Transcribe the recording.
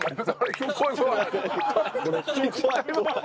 怖い怖い！